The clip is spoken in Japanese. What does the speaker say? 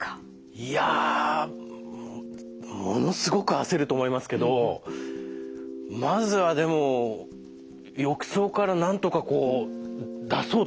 いやものすごく焦ると思いますけどまずはでも浴槽からなんとかこう出そうとするかな。